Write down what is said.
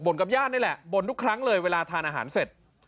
กับญาตินี่แหละบ่นทุกครั้งเลยเวลาทานอาหารเสร็จ